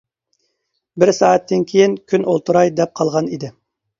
بىر سائەتتىن كېيىن كۈن ئولتۇراي دەپ قالغان ئىدى.